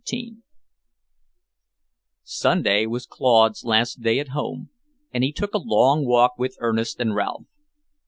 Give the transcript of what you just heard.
XIII Sunday was Claude's last day at home, and he took a long walk with Ernest and Ralph.